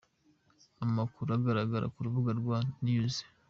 Amakuru agaragara ku rubuga rwa news.